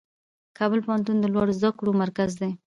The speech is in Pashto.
کابل پوهنتون د لوړو زده کړو مرکز دی.